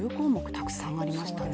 たくさんありましたね。